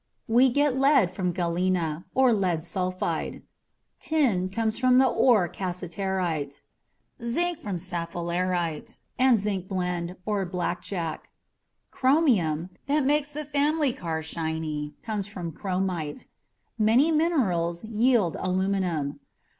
We get lead from galena, or lead sulfide. Tin comes from the ore cassiterite; zinc from sphalerite and zincblende, or blackjack. Chromium that makes the family car flashy comes from chromite. Many minerals yield aluminum.